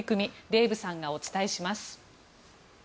デーブさんがお伝えします。